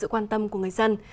với sự quan tâm của người dân